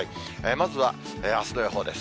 まずはあすの予報です。